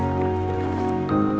aku masih bercinta sama kamu